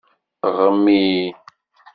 Ɣmi.